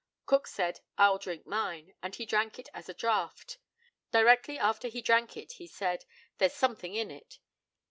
Cook said, "I'll drink mine," and he drank it at a draught. Directly after he drank it he said, "There's something in it."